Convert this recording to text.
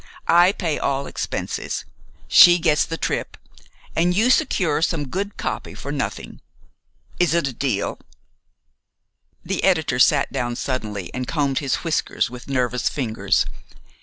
I pay all expenses, she gets the trip, and you secure some good copy for nothing. Is it a deal?" The editor sat down suddenly and combed his whiskers with nervous fingers.